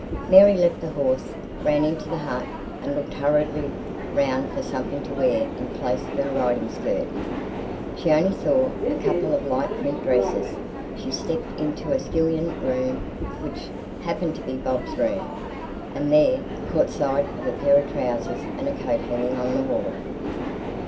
Mary left her horse, ran into the hut, and looked hurriedly round for something to wear in place of her riding skirt. She only saw a couple of light print dresses. She stepped into a skillion room, which happened to be Bob's room, and there caught sight of a pair of trousers and a coat hanging on the wall.